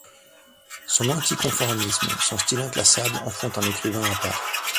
Son anticonformisme, son style inclassable en font un écrivain à part.